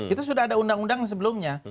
itu sudah ada undang undang sebelumnya